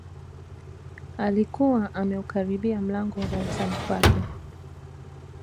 Alikuwa ameukaribia mlango wa darasani kwake